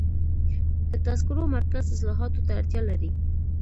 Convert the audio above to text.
د تذکرو مرکز اصلاحاتو ته اړتیا لري.